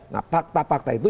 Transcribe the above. nah fakta fakta itu